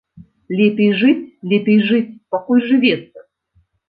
Лепей жыць, лепей жыць, пакуль жывецца.